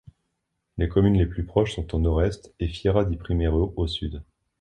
Les communes les plus proches sont au nord-est et Fiera di Primiero au sud.